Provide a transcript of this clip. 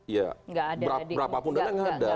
ya berapa pun dananya nggak ada